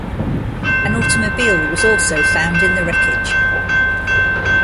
An automobile was also found in the wreckage.